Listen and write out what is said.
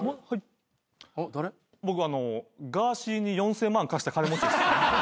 僕ガーシーに４，０００万貸した金持ちです。